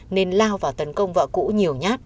nên lao vào tấn công vợ cũ